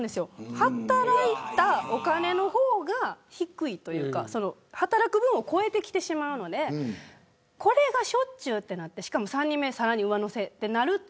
働いたお金の方が低いというか働く分を超えてきてしまうのでこれがしょっちゅうとなってしかも３人目さらに上乗せとなると。